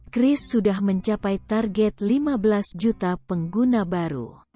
chris sudah mencapai target lima belas juta pengguna baru